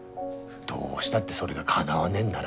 どうしたってそれがかなわねえんなら。